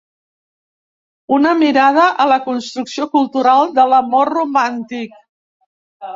Una mirada a la construcció cultural de l’amor romàntic.